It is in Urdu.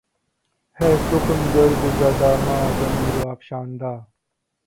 ہے سخن گرد ز دَامانِ ضمیر افشاندہ